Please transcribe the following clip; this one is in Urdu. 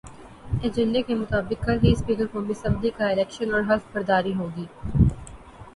ایجنڈے کے مطابق کل ہی اسپیکر قومی اسمبلی کا الیکشن اور حلف برداری ہوگی۔